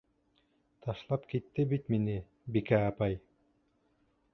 Ташлап китте бит мине, Бикә апай!